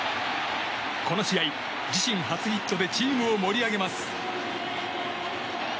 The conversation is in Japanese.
この試合、自身初ヒットでチームを盛り上げます。